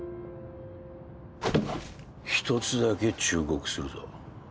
一つだけ忠告するぞ。